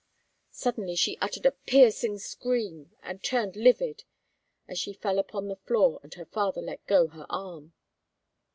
Suddenly she uttered a piercing scream, and turned livid, as she fell upon the floor, and her father let go her arm.